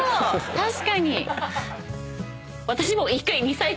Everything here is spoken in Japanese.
確かに。